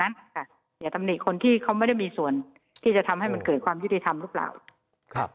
อย่าตำหนิคนที่เขาไม่ได้มีส่วนที่จะทำให้มันเกิดความยุติธรรมหรือเปล่าครับ